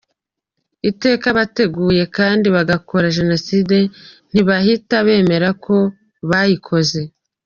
Iteka abategura kandi bagakora Jenoside ntibahita bemera ko bayikoze.